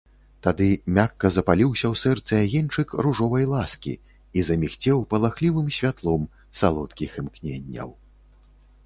Тады мякка запаліўся ў сэрцы агеньчык ружовай ласкі і замігцеў палахлівым святлом салодкіх імкненняў.